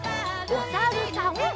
おさるさん。